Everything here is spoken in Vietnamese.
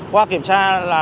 qua kiểm tra là